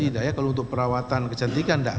tidak ya kalau untuk perawatan kecantikan enggak